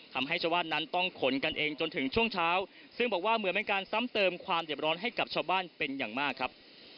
ทำให้ชาวบ้านนั้นต้องขนกันเองจนถึงช่วงเช้าซึ่งบอกว่าเหมือนเป็นการซ้ำเติมความเจ็บร้อนให้กับชาวบ้านเป็นอย่างมากครับ